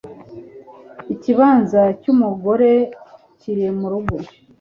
Ikibanza cy'umugore kiri mu rugo